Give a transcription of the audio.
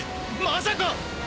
まさか！